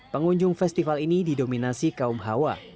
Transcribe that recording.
pengunjung festival ini didominasi kaum hawa